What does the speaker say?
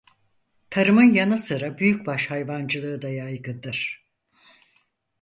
Tarım'ın yanı sıra büyükbaş hayvancılığı da yaygındır.